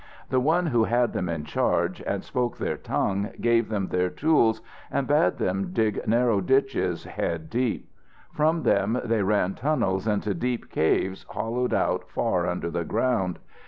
The one who had them in charge and spoke their tongue gave them their tools and bade them dig narrow ditches head deep. From them they ran tunnels into deep caves hollowed out far under the ground.